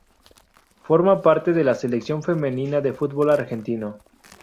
Forma parte de la selección femenina de fútbol argentino.